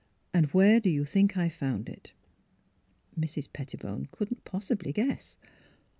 And where do you think I found it? " Mrs. Pettibone could not possibly guess.